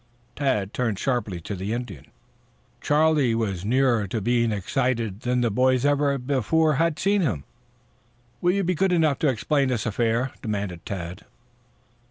Tad turned sharply to the Indian. Charlie was nearer to being excited than the boys ever before had seen him. "Will you be good enough to explain this affair?" demanded Tad.